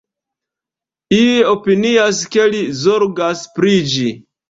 Iuj opinias, ke li zorgas pri ĝi.